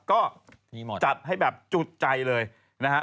ก็จัดให้แบบจุดใจเลยนะฮะ